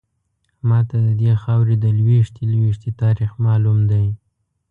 ماته ددې خاورې د لویشتې لویشتې تاریخ معلوم دی.